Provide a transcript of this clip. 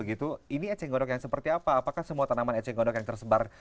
ini eceng gondok yang seperti apa apakah semua tanaman eceng gondok yang tersebar